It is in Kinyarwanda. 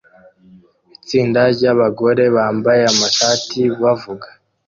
Itsinda ryabagore bambaye amashati bavuga